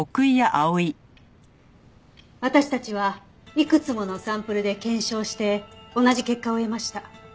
私たちはいくつものサンプルで検証して同じ結果を得ました。